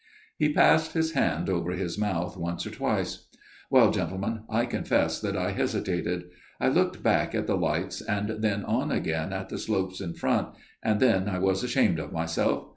He passed his hand over his mouth once or twice. " Well, gentlemen, I confess that I hesitated. I looked back at the lights and then on again at the slopes in front, and then I was ashamed of myself.